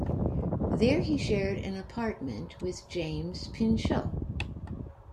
There he shared an apartment with James Pinchot.